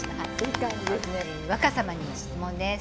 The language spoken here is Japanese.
若さまに質問です。